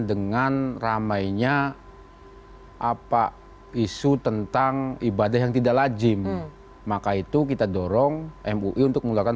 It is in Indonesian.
dengan ramainya apa isu tentang ibadah yang tidak lajim maka itu kita dorong mui untuk mengeluarkan